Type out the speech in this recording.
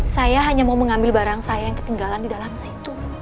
saya hanya mau mengambil barang saya yang ketinggalan di dalam situ